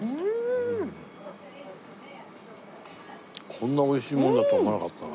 こんな美味しいものだと思わなかったな。